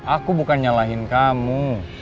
aku bukan nyalahin kamu